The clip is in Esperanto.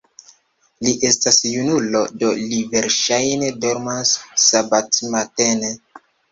Li estas junulo, do li verŝajne dormas sabatmatene.